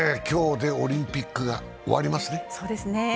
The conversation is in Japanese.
今日でオリンピックが終わりますね。